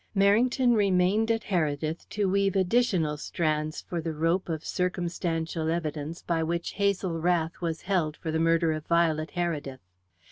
Merrington remained at Heredith to weave additional strands for the rope of circumstantial evidence by which Hazel Rath was held for the murder of Violet Heredith.